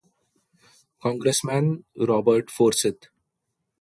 Congressman Robert Forsyth.